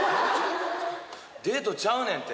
デートちゃうねんて。